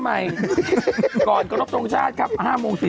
แล้วก่อนกระดกตรงชาติครับ๕มง๔๕